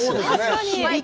確かに。